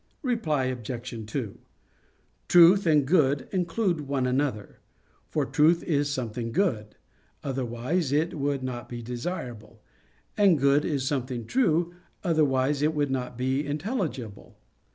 Reply Obj. 2: Truth and good include one another; for truth is something good, otherwise it would not be desirable; and good is something true, otherwise it would not be intelligible.